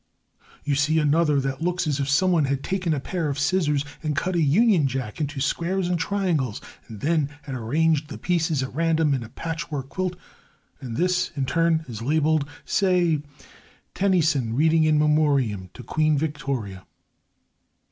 You see another that looks as if someone had taken a pair of scissors and cut a Union Jack into squares and triangles, and had then rearranged the pieces at random in a patchwork quilt, and this, in turn, is labelled, say, "Tennyson reading In Memoriam to Queen Victoria."